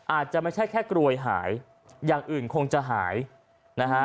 อาจจะไม่ใช่แค่กรวยหายอย่างอื่นคงจะหายนะฮะ